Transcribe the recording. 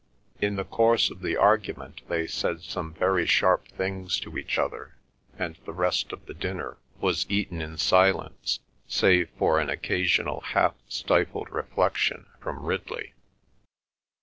In the course of the argument they said some very sharp things to each other, and the rest of the dinner was eaten in silence, save for an occasional half stifled reflection from Ridley.